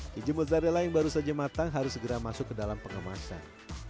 keju mozzarella yang baru saja matang harus segera masuk ke dalam pengemasan